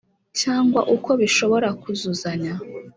Cyangwa uko bishobora kuzuzanya